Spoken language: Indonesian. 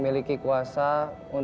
pasti tidak bisa alda labur